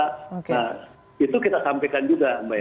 nah itu kita sampaikan juga mbak